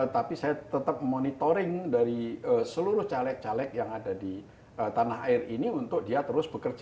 tapi saya tetap monitoring dari seluruh caleg caleg yang ada di tanah air ini untuk dia terus bekerja